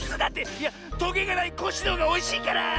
いやトゲがないコッシーのほうがおいしいから！